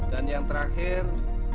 dan yang terakhir